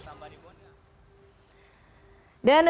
sambil di bawahnya